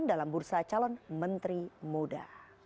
dan bursa calon menteri muda